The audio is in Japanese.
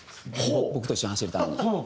僕と一緒に走るために。